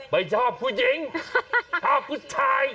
ไม่ชอบผู้หญิงชอบผู้ชาย